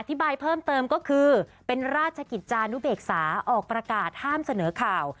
บายเพิ่มเติมก็คือเป็นราชกิจจานุเบกษาออกประกาศห้ามเสนอข่าว